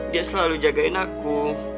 dia selalu jagain aku